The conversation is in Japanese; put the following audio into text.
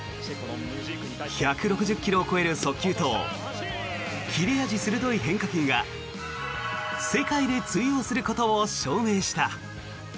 １６０ｋｍを超える速球と切れ味鋭い変化球が世界で通用することを証明した。